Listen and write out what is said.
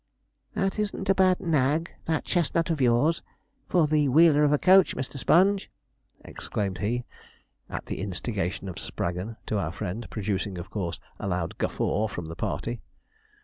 'That isn't a bad like nag, that chestnut of yours, for the wheeler of a coach, Mr. Sponge,' exclaimed he, at the instigation of Spraggon, to our friend, producing, of course, a loud guffaw from the party.